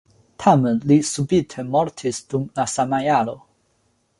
Tamen li subite mortis dum la sama jaro.